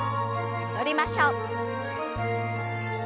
戻りましょう。